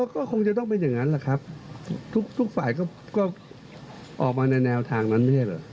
ก็คงจะต้องเป็นอย่างนั้นแหละครับทุกฝ่ายก็ออกมาในแนวทางนั้นไม่ใช่เหรอ